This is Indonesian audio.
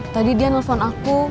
tadi dia nelfon aku